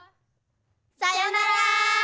さよなら！